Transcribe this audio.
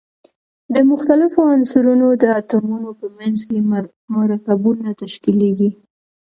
د مختلفو عنصرونو د اتومونو په منځ کې مرکبونه تشکیلیږي.